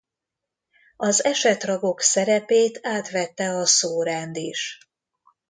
Az esetragok szerepét átvette a szórend is.